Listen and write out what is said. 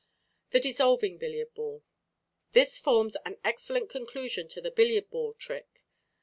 The Dissolving Billiard Ball.—This forms an excellent conclusion to the billiard ball trick.